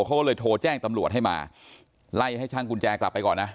เขาก็เลยโทรแจ้งตำรวจให้มาไล่ให้ช่างกุญแจกลับไปก่อนนะ